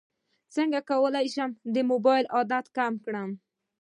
څنګه کولی شم د موبایل عادت کم کړم